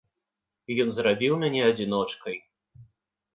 Ён зрабіў мяне адзіночкай.